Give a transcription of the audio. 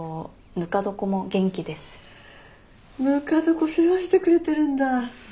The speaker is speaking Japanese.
ぬか床世話してくれてるんだ。